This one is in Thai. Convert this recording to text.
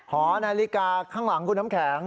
หอนาฬิกาข้างหลังคุณน้ำแข็ง